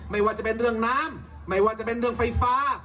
ไม่ว่าจะเป็นเรื่องน้ำไม่ว่าจะเป็นเรื่องไฟฟ้า